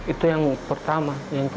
itu yang pertama